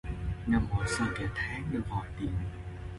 Ngâm hồ sơ cả tháng để vòi tiền